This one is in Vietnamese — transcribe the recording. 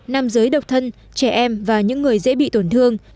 nam giới độc thân trẻ em và những người dễ bị tổn thương